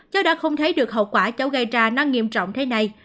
cháu đã không thấy được hậu quả cháu gây ra nó nghiêm trọng thế này